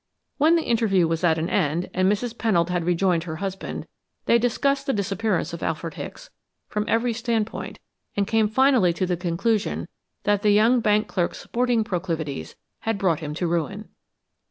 When the interview was at an end and Mrs. Pennold had rejoined her husband, they discussed the disappearance of Alfred Hicks from every standpoint and came finally to the conclusion that the young bank clerk's sporting proclivities had brought him to ruin.